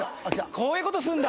こういうことすんだ！